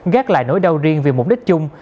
gác lại nỗi đau riêng vì mục đích chung